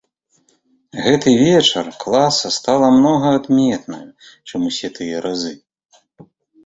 Гэты вечар класа стала многа адменнаю, чым усе тыя разы.